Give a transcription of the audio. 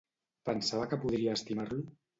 Pensava que podria estimar-lo?